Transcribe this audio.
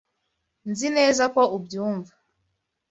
Nzi neza ko ubyumva.